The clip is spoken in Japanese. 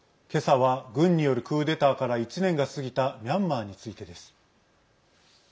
けさは、軍によるクーデターから１年が過ぎたミャンマーについてです。